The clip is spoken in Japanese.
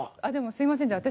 あっでもすいません